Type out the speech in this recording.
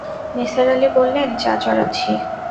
নিসার আলি বললেন, চা চড়াচ্ছি।